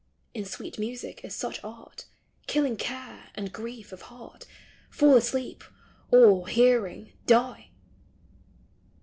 In sweet music is such art, Killing care, and grief of heart — Fall asleep, or, hearing, die